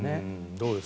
どうです？